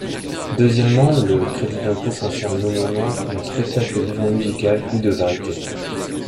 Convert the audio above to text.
Deuxièmement, le crédit d’impôt concerne nommément le « spectacle vivant musical ou de variétés ».